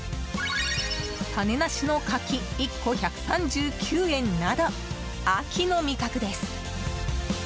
種なしの柿、１個１３９円など秋の味覚です。